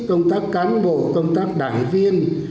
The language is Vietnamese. công tác cán bộ công tác đảng viên